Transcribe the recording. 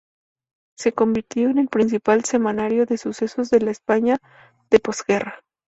Se convirtió en el principal semanario de sucesos de la España de posguerra.